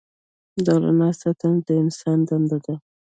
د رڼا ساتنه د انسان دنده ده.